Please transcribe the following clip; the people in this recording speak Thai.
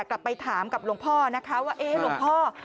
กลับไปถามกับลงพ่อนะคะว่าเอ้ายังไงลงพ่อ